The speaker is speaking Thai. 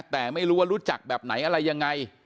แต่ไม่รู้ว่ารู้จักแบบไหนอะไรยังไง